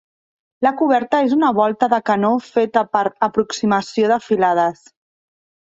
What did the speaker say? La coberta és una volta de canó feta per aproximació de filades.